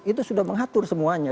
itu sudah mengatur semuanya